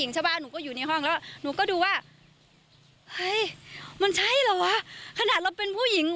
สุดท้ายก็